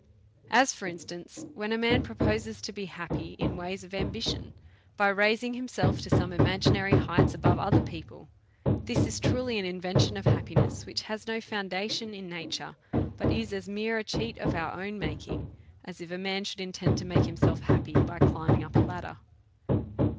As for instance, when a man proposes to be happy in ways of ambition, by raising himself to sonie imagi nary heights above other people ; this is truly an in vention of happiness which has no foundation in na ture, but is as mere a cheat of our own making, as if a man should intend to make himself happy by climbing up a ladder.